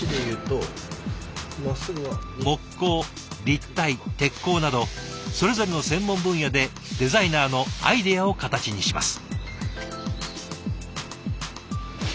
木工立体鉄工などそれぞれの専門分野でデザイナーのアイデアを形にします。